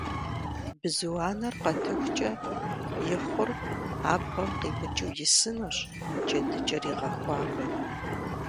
Бзу анэр къэтыхукӀэ, и хъур абгъуэм къимыкӀыу исынущ, джэдыкӀэр игъэхуабэу.